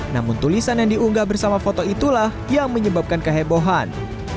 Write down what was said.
namun tulisan yang diunggah bersama foto itulah yang menyebabkan kehebohan